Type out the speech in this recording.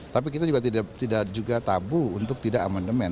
tapi kita juga tidak juga tabu untuk tidak amandemen